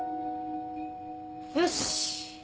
よし！